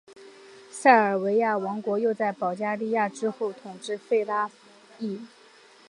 塞尔维亚王国又在保加利亚之后统治弗拉涅。